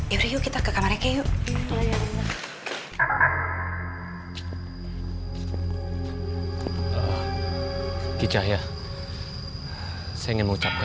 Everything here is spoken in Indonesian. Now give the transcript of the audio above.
yaudah yuk kita ke kamarnya yuk